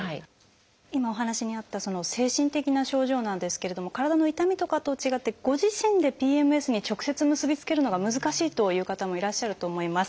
今お話にあったその精神的な症状なんですけれども体の痛みとかとは違ってご自身でＰＭＳに直接結び付けるのが難しいという方もいらっしゃると思います。